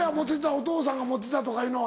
お父さんがモテたとかいうのは。